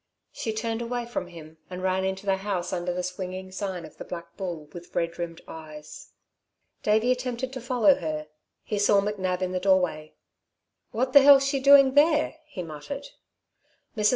She turned away from him and ran into the house under the swinging sign of the black bull with red rimmed eyes. Davey attempted to follow her. He saw McNab in the doorway. "What the hell's she doing there?" he muttered. Mrs.